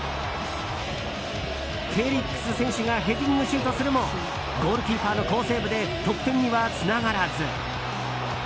フェリックス選手がヘディングシュートするもゴールキーパーの好セーブで得点にはつながらず。